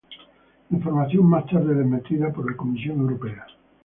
Información más tarde desmentida por la Comisión Europea.